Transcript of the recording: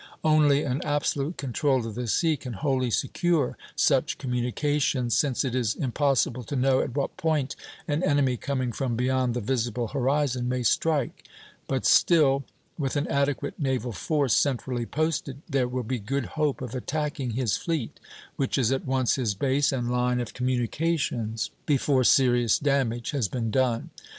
Only an absolute control of the sea can wholly secure such communications, since it is impossible to know at what point an enemy coming from beyond the visible horizon may strike; but still, with an adequate naval force centrally posted, there will be good hope of attacking his fleet, which is at once his base and line of communications, before serious damage has been done.